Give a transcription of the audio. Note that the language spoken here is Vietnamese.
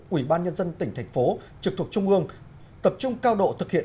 ủy ban nhân dân tỉnh thành phố trực thuộc trung ương tập trung cao độ thực hiện